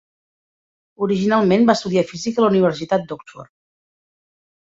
Originalment va estudiar física a la Universitat d'Oxford.